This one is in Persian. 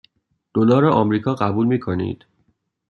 دلار آمریکا قبول می کنید؟